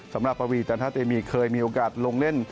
สำหรับปวีจันทะเตมีเคยมีโอกาสลงเล่น